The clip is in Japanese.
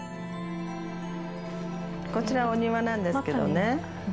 こちらお庭なんですけどね。